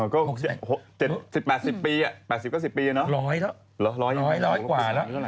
ก็๑๘๑๙ปีเนอะ๑๐๐กว่าแล้ว